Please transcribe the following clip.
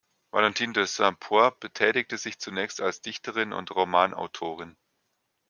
Valentine de Saint-Point betätigte sich zunächst als Dichterin und Romanautorin.